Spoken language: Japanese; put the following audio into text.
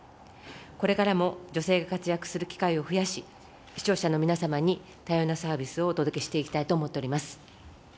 これからも女性が活躍する機会を増やし、視聴者の皆様に多様なサービスをお届けしていきたいと思っております。